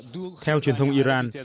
theo truyền thông iran